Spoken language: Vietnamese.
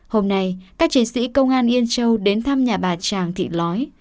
hôm nay các chiến sĩ công an yên châu đến thăm nhà bà tràng thị lói